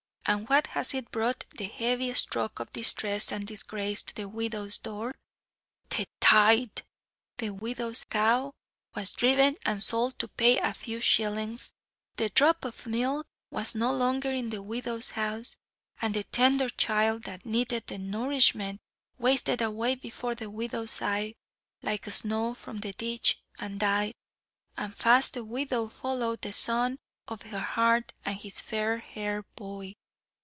And what was it brought the heavy stroke of distress and disgrace to the widow's door? The tithe! The widow's cow was driven and sold to pay a few shillings; the drop of milk was no longer in the widow's house, and the tender child that needed the nourishment, wasted away before the widow's eyes, like snow from the ditch, and died: and fast the widow followed the son of her heart and his fair haired boy.